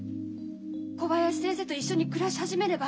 小林先生と一緒に暮らし始めれば落ち着くの。